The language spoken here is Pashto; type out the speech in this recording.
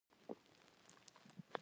کرینګ درون بار پورته کوي.